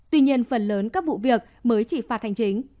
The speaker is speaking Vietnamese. tuy nhiên phần lớn các vụ việc mới chỉ phạt hành chính